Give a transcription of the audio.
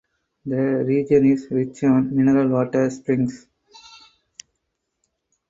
The region is rich on mineral water springs.